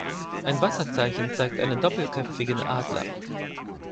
Ein Wasserzeichen zeigt einen doppelköpfigen Adler.